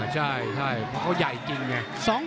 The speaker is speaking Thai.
ใช่เพราะเขาใหญ่จริงเนี่ย